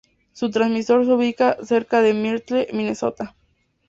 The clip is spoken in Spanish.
Su transmisor se ubica cerca de Myrtle, Minnesota.